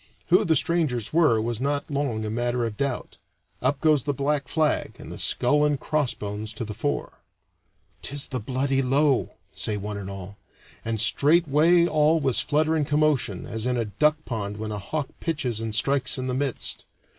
Who the strangers were was not long a matter of doubt. Up goes the black flag, and the skull and crossbones to the fore. "'Tis the bloody Low," say one and all; and straightway all was flutter and commotion, as in a duck pond when a hawk pitches and strikes in the midst.